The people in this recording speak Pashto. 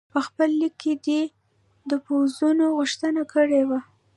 په خپل لیک کې دې د پوځونو غوښتنه کړې وه.